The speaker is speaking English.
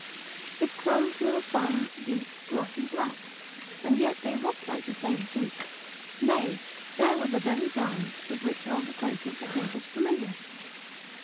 His clothes were a fine, deep, glossy black ; and yet they looked like tho same suit ; nay, there were the very darns with which old acquaintance had made us familiar.